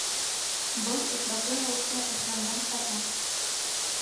Был осраҡлы рәүештә эшләнгән хата.